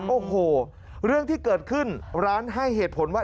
โอ้โหเรื่องที่เกิดขึ้นร้านให้เหตุผลว่า